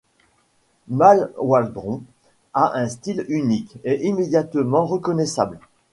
Mal Waldron a un style unique et immédiatement reconnaissable.